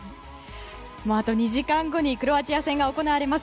あと２時間後にクロアチア戦が行われます